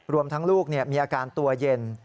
รวมทั้งลูกมีอาการตัวเย็น